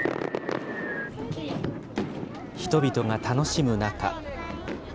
人々が楽しむ中。